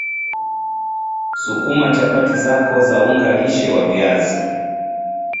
sukuma chapati zako za unga lishe wa viazi